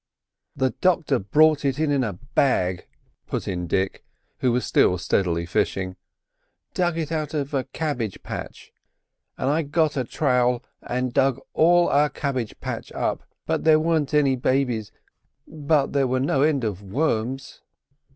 "The doctor brought it in a bag," put in Dick, who was still steadily fishing—"dug it out of a cabbage patch; an' I got a trow'l and dug all our cabbage patch up, but there weren't any babies—but there were no end of worms."